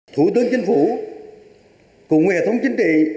thủ tướng chính phủ cùng nguyễn thống chính trị